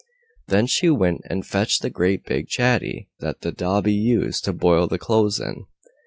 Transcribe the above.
Then she went and fetched the great big chatty that the dhobi used to boil the clothes in.